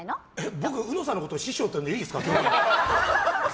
僕、うのさんのことを師匠って呼んだほうがいいですか。